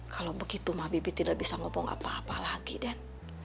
kalau begitu mah bibi tidak bisa ngobrol apa apa lagi den